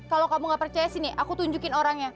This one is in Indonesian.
kalau kamu gak percaya sih nih aku tunjukin orangnya